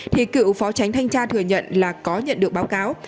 thì cựu phó tránh thanh tra thừa nhận là có nhận được báo cáo